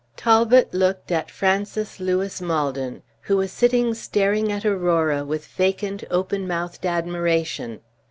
Talbot looked at Francis Lewis Maldon, who was sitting staring at Aurora with vacant, open mouthed admiration.